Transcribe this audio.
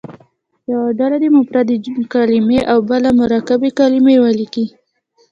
یوه ډله دې مفردې کلمې او بله مرکبې کلمې ولیکي.